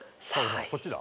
そっちだ。